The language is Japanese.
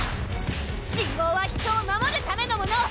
信号は人を守るためのもの！